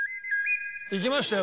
行きましたよ